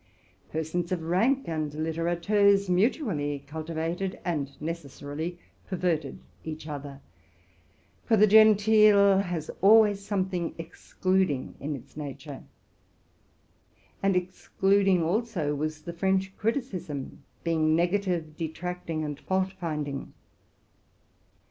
Persons of rank and littérateurs mutually cultivated and necessarily perverted each other, for the genteel has always something excluding in its nature; and excluding also was the French criticism, being negative, detracting, and fault finding.